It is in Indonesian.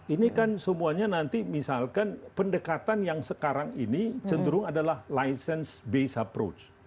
ini kan semuanya nanti misalkan pendekatan yang sekarang ini cenderung adalah license based approach